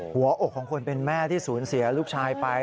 หัวอกของคนเป็นแม่ที่สูญเสียลูกชายไป